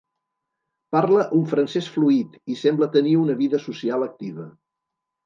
Parla un francès fluid i sembla tenir una vida social activa.